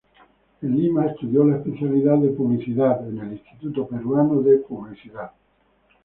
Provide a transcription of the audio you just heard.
En Lima estudió la especialidad de publicidad en el Instituto Peruano de Publicidad.